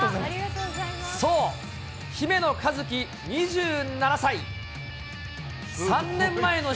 そう、姫野和樹２７歳。